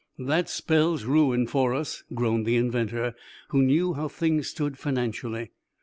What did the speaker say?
"That spells ruin for us," groaned the inventor, who knew how things stood financially.